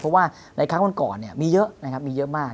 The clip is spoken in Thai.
เพราะว่าในครั้งข้างก่อนมีเยอะมาก